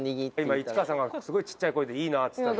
今市川さんがすごいちっちゃい声で「いいなあ」つった。